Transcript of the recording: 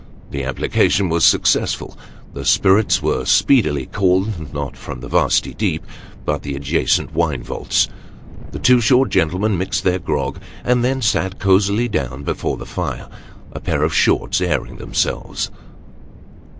The application was successful ; the spirits were speedily called not from the vasty deep, but the adjacent wine vaults The two short gentlemen mixed their grog ; and then sat cosily down before the fire a pair of shorts, airing themselves.